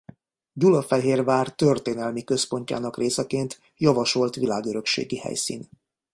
Gyulafehérvár történelmi központjának részeként javasolt világörökségi helyszín.